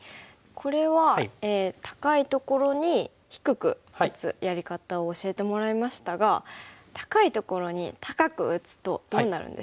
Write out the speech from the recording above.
これは高いところに低く打つやり方を教えてもらいましたが高いところに高く打つとどうなるんでしょうか。